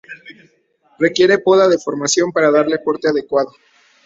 Requiere "poda de formación" para darle porte adecuado.